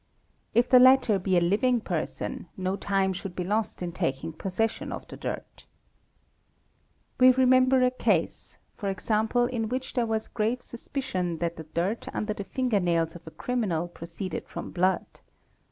if the latter be a living person no time should be lost in taking possession of the dirt. 4 We remember a case, ¢.g., in which there was grave suspicion that |_ the dirt under the finger nails of a criminal proceeded from blood.